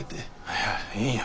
いやええんや。